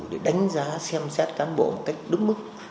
để đánh giá xem xét cán bộ một cách đúng mức